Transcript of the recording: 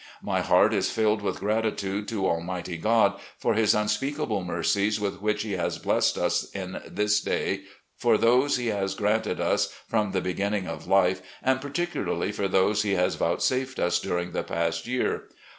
My heart is filled with gratitude to Almighty God for His tmspeakable mercies with which He has blessed us in this day, for those He has granted us from the begin ning of life, and particularly for those He has vouchsafed us during the past year.